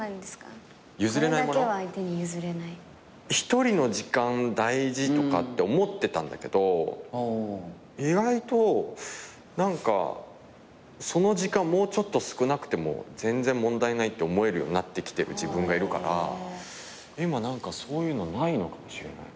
１人の時間大事とかって思ってたんだけど意外とその時間もうちょっと少なくても全然問題ないって思えるようになってきてる自分がいるから今そういうのないのかもしれない。